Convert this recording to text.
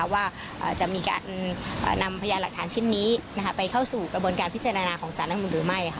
ว่าจะมีการนำพยานหลักฐานชิ้นนี้ไปเข้าสู่กระบวนการพิจารณาของสารรัฐมนุนหรือไม่